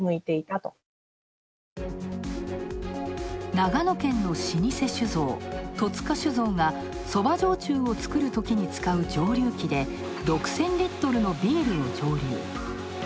長野県の老舗酒造、戸塚酒造がそば焼酎を造るときに使う蒸留器で６０００リットルのビールを蒸留。